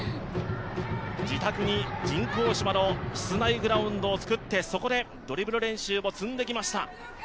自宅に人工芝の室内グラウンドを作ってそこでドリブル練習を積んできました。